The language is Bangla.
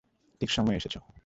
ঠিক সময়ে এসেছ।